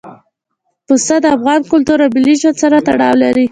پسه د افغان کلتور او ملي ژوند سره تړاو لري.